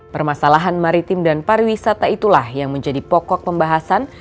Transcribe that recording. permasalahan maritim dan pariwisata itulah yang menjadi pokok pembahasan